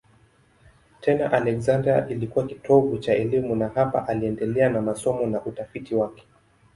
Tena Aleksandria ilikuwa kitovu cha elimu na hapa aliendelea na masomo na utafiti wake.